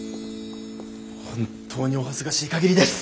本当にお恥ずかしい限りです。